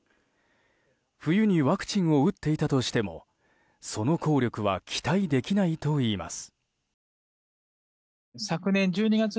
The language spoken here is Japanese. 冬にワクチンを打っていたとしてもその効力は期待できないといいます。